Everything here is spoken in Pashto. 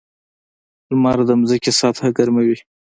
• لمر د ځمکې سطحه ګرموي.